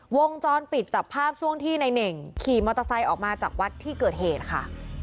วงจรปิดจับภาพช่วงที่ในเน่งขี่มอเตอร์ไซค์ออกมาจากวัดที่เกิดเหตุค่ะ